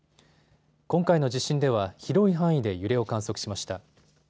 今回の地震では広い範囲で揺れを観測しました。